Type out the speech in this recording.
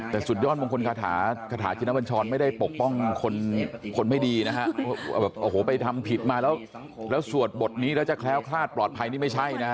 แต่สุดยอดมงคลคาถาคาถาชินบัญชรไม่ได้ปกป้องคนไม่ดีนะฮะแบบโอ้โหไปทำผิดมาแล้วสวดบทนี้แล้วจะแคล้วคลาดปลอดภัยนี่ไม่ใช่นะฮะ